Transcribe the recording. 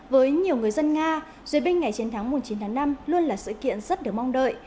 với nhiều người dân nga duyệt binh ngày chiến thắng chín tháng năm luôn là sự kiện rất được mong đợi